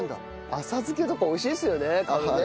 浅漬けとか美味しいですよねカブね。